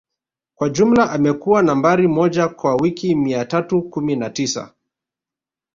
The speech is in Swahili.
Kwa jumla amekuwa Nambari moja kwa wiki mia tatu kumi na tisa